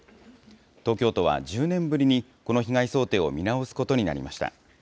東京都は１０年ぶりに、この被害想定を見直すことになりました。